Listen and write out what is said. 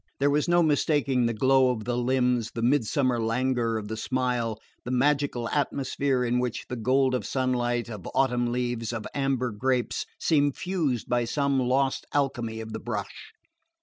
There was no mistaking the glow of the limbs, the midsummer languor of the smile, the magical atmosphere in which the gold of sunlight, of autumn leaves, of amber grapes, seemed fused by some lost alchemy of the brush.